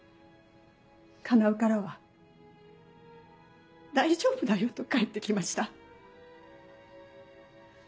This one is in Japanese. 叶からは「大丈夫だよ」と返ってきました。